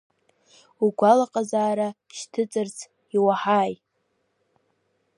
Угәалаҟазаара шьҭыҵыртә, иуаҳаи?